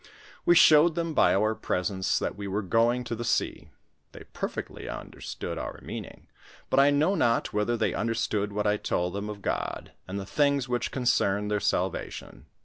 We showed them by our presents, that we were going to the sea ; they perfectly understood our meaning, but I know not whether they understood what I told them of God, and the things which concerned their salvation.